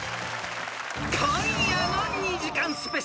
［今夜の２時間ＳＰ］